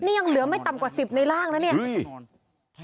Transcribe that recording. นี่ยังเหลือไม่ต่ำกว่า๑๐ในร่างนะเนี่ย